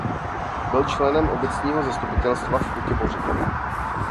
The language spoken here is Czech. Byl členem obecního zastupitelstva v Chotěboři.